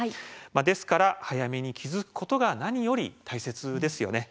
ですから早めに気付くことが何より大切ですよね。